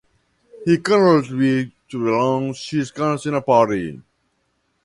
He currently belongs to the Shiv Sena party.